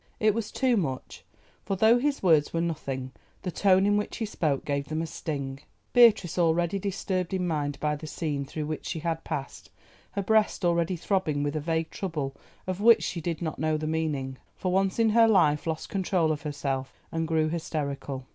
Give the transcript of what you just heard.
It was too much, for though his words were nothing the tone in which he spoke gave them a sting. Beatrice, already disturbed in mind by the scene through which she had passed, her breast already throbbing with a vague trouble of which she did not know the meaning, for once in her life lost control of herself and grew hysterical.